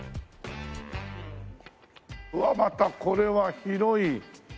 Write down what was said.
うわっまたこれは広い。